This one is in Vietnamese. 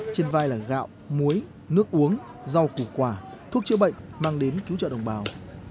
trên vai là gạo muối nước uống rau củ quả thuốc chữa bệnh mang đến cứu trợ đồng bào